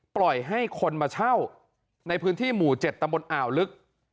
ปล่อยให้คนมาเช่าในพื้นที่หมู่๗ตำบลอ่าวลึก